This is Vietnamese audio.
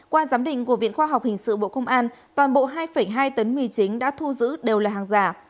qua giám định của viện khoa học hình sự bộ công an toàn bộ hai hai tấn mì chính đã thu giữ đều là hàng giả